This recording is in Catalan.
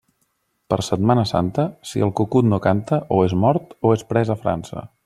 Per Setmana Santa, si el cucut no canta, o és mort o és pres a França.